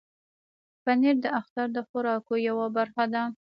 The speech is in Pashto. پنېر د اختر د خوراکو یوه برخه ده.